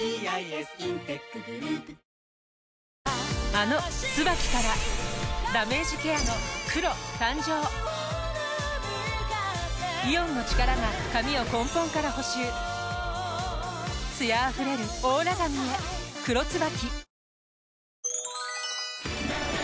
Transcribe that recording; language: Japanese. あの「ＴＳＵＢＡＫＩ」からダメージケアの黒誕生イオンの力が髪を根本から補修艶あふれるオーラ髪へ「黒ＴＳＵＢＡＫＩ」